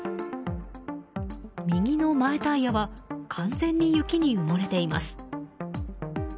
右の前タイヤは完全に雪に埋もれています。